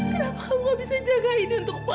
kenapa kamu gak bisa jagain untuk mama